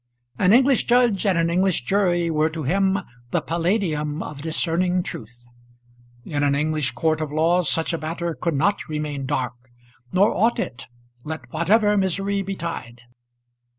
An English judge and an English jury were to him the Palladium of discerning truth. In an English court of law such a matter could not remain dark; nor ought it, let whatever misery betide.